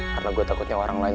karena gue takutnya orang lain